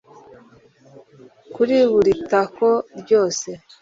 kuri buri tako, ryose